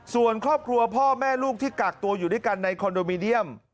ส่วนครอบครัวพ่อแม่ลูกที่กักตัวอยู่ด้วยกันในคอนโดมิเนียม